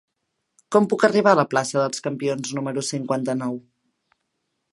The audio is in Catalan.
Com puc arribar a la plaça dels Campions número cinquanta-nou?